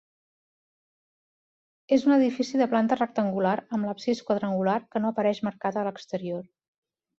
És un edifici de planta rectangular amb l'absis quadrangular que no apareix marcat a l’exterior.